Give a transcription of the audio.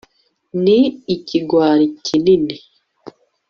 ni ikigwari kinini